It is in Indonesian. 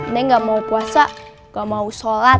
neng gak mau puasa gak mau sholat